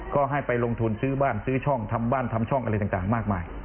ก็ให้ไปลงทุนซื้อบ้านซื้อช่องทำบ้านทำช่องอะไรต่างมากมาย